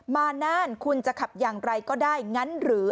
มานานคุณจะขับอย่างไรก็ได้งั้นหรือ